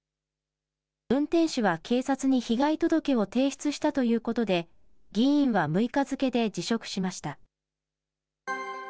運転手は警察に被害届を提出したということで、議員は６日付で辞職しました。